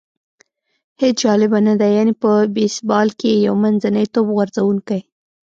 هېڅ جالبه نه ده، یعنې په بېسبال کې یو منځنی توپ غورځوونکی.